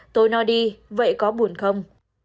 tôi no đi vậy có buồn không